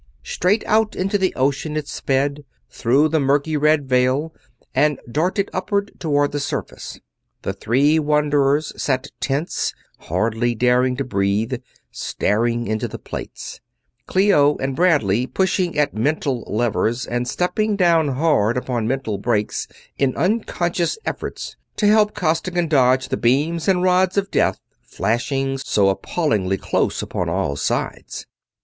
Straight out into the ocean it sped, through the murky red veil, and darted upward toward the surface. The three wanderers sat tense, hardly daring to breathe, staring into the plates Clio and Bradley pushing at mental levers and stepping down hard upon mental brakes in unconscious efforts to help Costigan dodge the beams and rods of death flashing so appallingly close upon all sides.